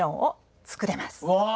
うわ！